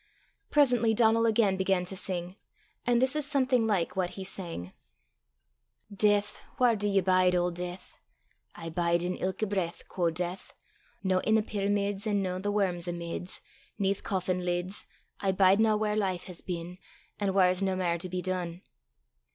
Presently Donal again began to sing, and this is something like what he sang: "Death! whaur do ye bide, auld Death?" "I bide in ilka breath," Quo' Death. "No i' the pyramids, An' no the worms amids, 'Neth coffin lids; I bidena whaur life has been, An' whaur 's nae mair to be dune."